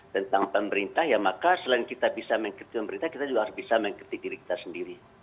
tentang pemerintah ya maka selain kita bisa mengkritik pemerintah kita juga harus bisa mengkritik diri kita sendiri